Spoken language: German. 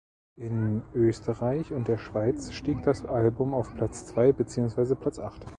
In Österreich und der Schweiz stieg das Album auf Platz zwei beziehungsweise Platz acht.